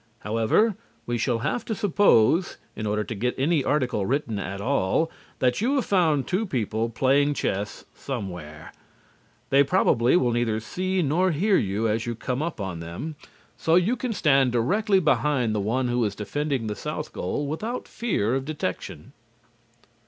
However, we shall have to suppose, in order to get any article written at all, that you have found two people playing chess somewhere. They probably will neither see nor hear you as you come up on them so you can stand directly behind the one who is defending the south goal without fear of detection.